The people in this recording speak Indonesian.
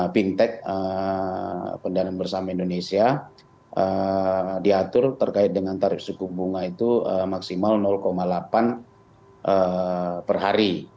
fintech pendanaan bersama indonesia diatur terkait dengan tarif suku bunga itu maksimal delapan per hari